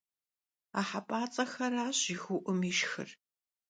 A hep'ats'exeraş jjıgıu'um yişşxır.